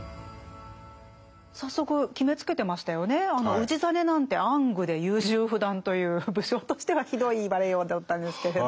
あの氏真なんて暗愚で優柔不断という武将としてはひどい言われようだったんですけれど。